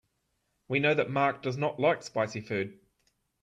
We know that Mark does not like spicy food.